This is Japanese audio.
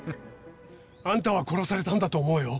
あんたは殺されたんだと思うよ。